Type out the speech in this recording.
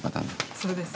そうです。